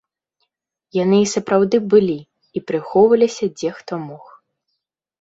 Яны і сапраўды былі і прыхоўваліся, дзе хто мог.